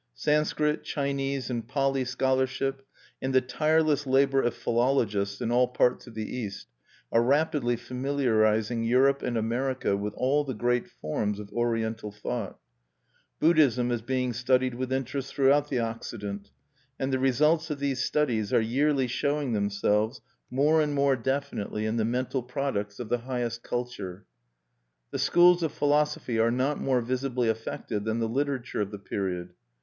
Sanscrit, Chinese, and Pali scholarship, and the tireless labor of philologists in all parts of the East, are rapidly familiarizing Europe and America with all the great forms of Oriental thought; Buddhism is being studied with interest throughout the Occident; and the results of these studies are yearly showing themselves more and more definitely in the mental products of the highest culture. The schools of philosophy are not more visibly affected than the literature of the period.